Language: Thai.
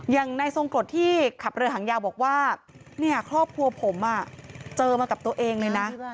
อย่างในทรงกรดที่ขับเรือหางยาวบอกว่าเนี่ยครอบครัวผมเจอมากับตัวเองเลยนะ